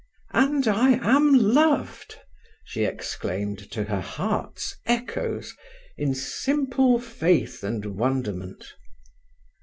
And I am loved! she exclaimed to her heart's echoes, in simple faith and wonderment.